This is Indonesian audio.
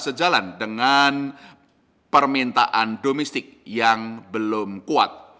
sejalan dengan permintaan domestik yang belum kuat